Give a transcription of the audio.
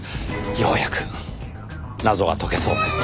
ようやく謎が解けそうです。